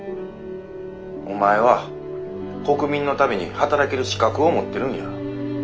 お前は国民のために働ける資格を持ってるんや。